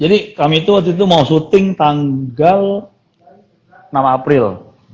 jadi kami tuh waktu itu mau syuting tanggal enam april